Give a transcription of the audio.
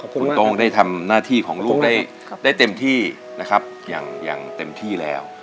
คุณโต้งได้ทำหน้าที่ของลูกได้เต็มที่นะครับอย่างเต็มที่แล้ว